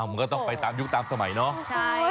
มันก็ต้องไปตามยุคตามสมัยเนาะ